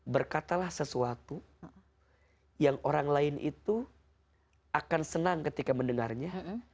berkatalah sesuatu yang orang lain itu akan senang ketika mendengarnya